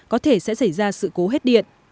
có thể sẽ xảy ra sự cố hết điện